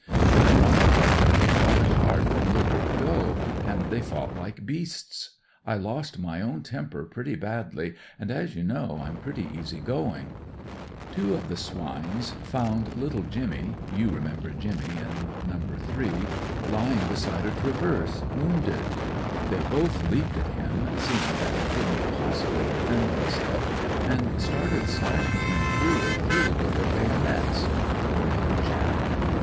"But in our line they fought hard from the word go, and they fought like beasts. I lost my own temper pretty badly, and as you know I'm pretty easy going. Two of the swines found little Jimmy (you remember Jimmy in NEWS FOR HOME O.C. COMPANY 151 No. 8) lying beside a traverse, wounded. They both leaped at him, seeing that he couldn't possibly defend himself, and started slashing him through and through with their bayonets — ^poor little chap.